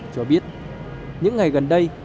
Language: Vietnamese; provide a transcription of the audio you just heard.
cho biết những ngày gần đây